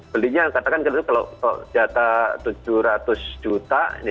belinya katakan kalau jatah tujuh ratus juta